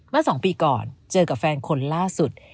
เมื่อ๒ปีก่อนเจอกับแฟนคนล่าสุด